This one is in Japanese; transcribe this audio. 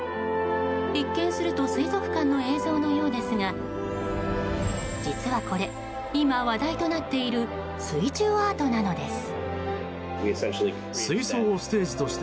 一見すると水族館の映像のようですが実はこれ、今話題となっている水中アートなのです。